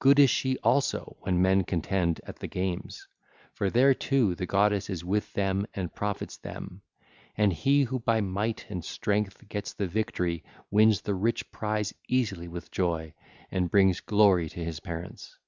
Good is she also when men contend at the games, for there too the goddess is with them and profits them: and he who by might and strength gets the victory wins the rich prize easily with joy, and brings glory to his parents.